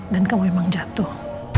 dan kamu emang jatuh